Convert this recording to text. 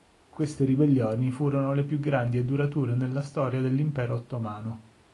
Queste ribellioni furono le più grandi e durature nella storia dell'Impero Ottomano.